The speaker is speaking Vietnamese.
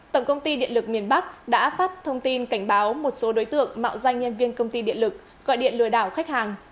tổng công ty điện lực miền bắc đã phát thông tin cảnh báo một số đối tượng mạo danh nhân viên công ty điện lực gọi điện lừa đảo khách hàng